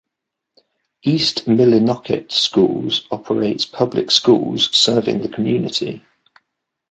East Millinocket Schools operates public schools serving the community.